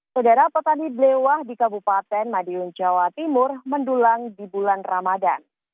saudara petani blewah di kabupaten madiun jawa timur mendulang di bulan ramadan